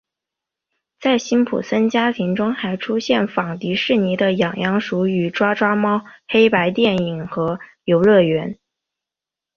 在辛普森家庭中还出现仿迪士尼的痒痒鼠与抓抓猫黑白电影和游乐园。